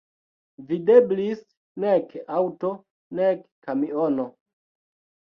Videblis nek aŭto, nek kamiono.